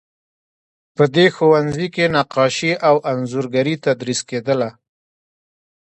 په دې ښوونځي کې نقاشي او انځورګري تدریس کیدله.